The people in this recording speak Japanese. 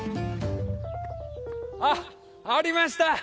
あっありました！